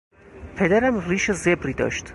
پدرم ریش زبری داشت.